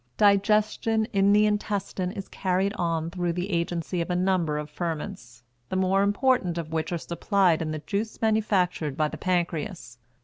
Digestion in the intestine is carried on through the agency of a number of ferments, the more important of which are supplied in the juice manufactured by the pancreas.